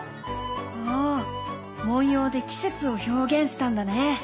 お文様で季節を表現したんだね。